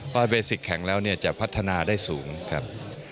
ก็เบสิกแข็งแล้วจะพัฒนาได้สูงครับ